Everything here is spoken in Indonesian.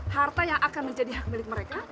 harta yang akan menjadi hak milik mereka